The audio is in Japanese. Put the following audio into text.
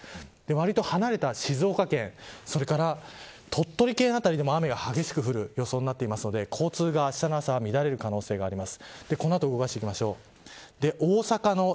わりと離れた静岡県それから鳥取県辺りでも雨が激しく降る予想になっているので交通があしたの朝は乱れる可能性があります。